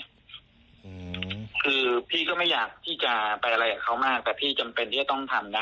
อืมคือพี่ก็ไม่อยากที่จะไปอะไรกับเขามากแต่พี่จำเป็นที่จะต้องทำนะ